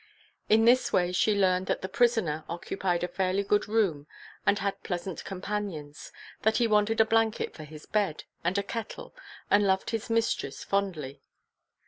In this way she learned that the prisoner occupied a fairly good room and had pleasant companions, that he wanted a blanket for his bed and a kettle and loved his mistress fondly.